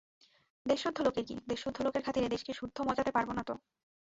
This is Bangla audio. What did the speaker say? দেশসুদ্ধ লোককে কি– দেশসুদ্ধ লোকের খাতিরে দেশকে সুদ্ধ মজাতে পারব না তো।